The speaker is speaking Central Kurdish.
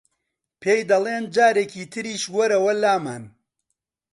پێی دەڵێن جارێکی تریش وەرەوە لامان